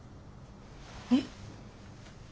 えっ？